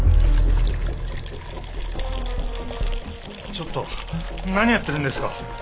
ちょっと何やってるんですか？